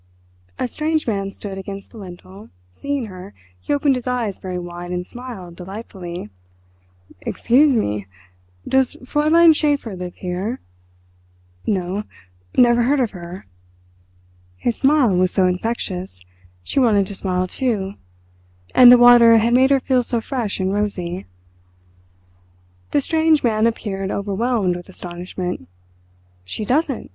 A strange man stood against the lintel—seeing her, he opened his eyes very wide and smiled delightfully. "Excuse me—does Fräulein Schäfer live here?" "No; never heard of her." His smile was so infectious, she wanted to smile too—and the water had made her feel so fresh and rosy. The strange man appeared overwhelmed with astonishment. "She doesn't?"